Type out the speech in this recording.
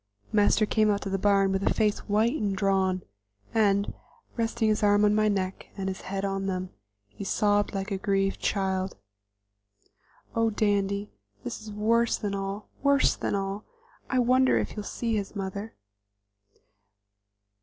Master came out to the barn with a face white and drawn, and, resting his arm on my neck and his head on them, he sobbed like a grieved child. "Oh, Dandy, this is worse than all, worse than all! I wonder if he'll see his mother?"